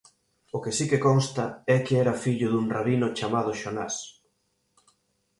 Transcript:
O que si que consta é que era fillo dun rabino chamado Xonás.